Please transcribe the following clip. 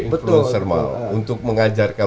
influencer untuk mengajarkan